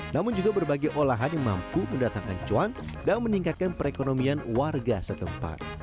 namun juga berbagai olahan yang mampu mendatangkan cuan dan meningkatkan perekonomian warga setempat